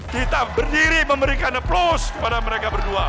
kita berdiri memberikan aplaus kepada mereka berdua